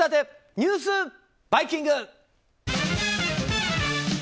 ニュースバイキング。